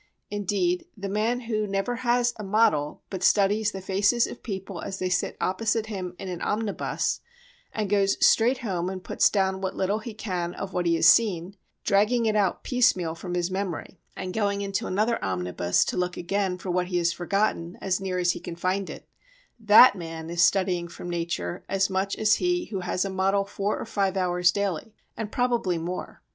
Indeed, the man who never has a model but studies the faces of people as they sit opposite him in an omnibus, and goes straight home and puts down what little he can of what he has seen, dragging it out piecemeal from his memory, and going into another omnibus to look again for what he has forgotten as near as he can find it—that man is studying from nature as much as he who has a model four or five hours daily—and probably more.